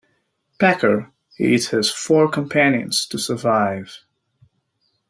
Packer ate his four companions to survive.